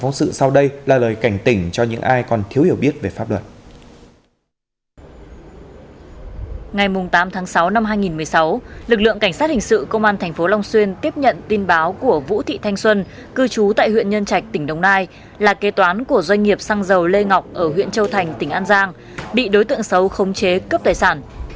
ngày tám tháng sáu năm hai nghìn một mươi sáu lực lượng cảnh sát hình sự công an thành phố long xuyên tiếp nhận tin báo của vũ thị thanh xuân cư trú tại huyện nhân trạch tỉnh đồng nai là kế toán của doanh nghiệp xăng dầu lê ngọc ở huyện châu thành tỉnh an giang bị đối tượng xấu khống chế cướp tài sản